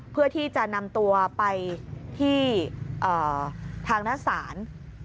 เพื่อที่จะนำตัวไปที่ทางด้านศาล